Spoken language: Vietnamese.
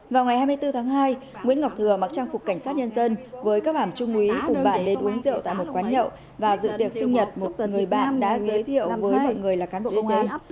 vào ngày hai mươi bốn tháng hai nguyễn ngọc thừa mặc trang phục cảnh sát nhân dân với các phàm chung quý cùng bạn đến uống rượu tại một quán nhậu và dự tiệc sinh nhật một người bạn đã giới thiệu với mọi người là cán bộ công an